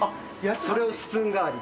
それをスプーン代わりで。